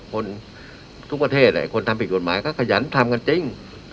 คนทุกประเทศคนทำผิดกฎหมายก็ขยันทำกันจริง